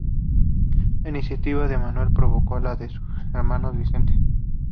La iniciativa de Manuel provocó la de su hermano Vicente.